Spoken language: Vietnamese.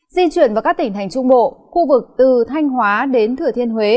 di chuyển vào các tỉnh thành trung bộ khu vực từ thanh hóa đến thừa thiên huế